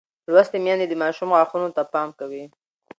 لوستې میندې د ماشوم غاښونو ته پام کوي.